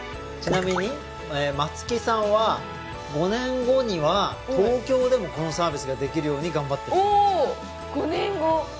ちなみに松木さんは５年後には東京でもこのサービスができるように頑張ってるそうなんです